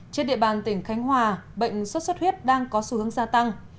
trên địa bàn tỉnh khánh hòa bệnh xuất xuất huyết đang có xu hướng gia tăng